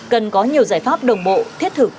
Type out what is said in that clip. cần có nhiều giải pháp đồng bộ thiết thực